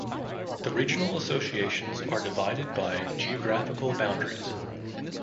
The regional associations are divided by geographical boundaries.